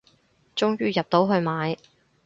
終於入到去買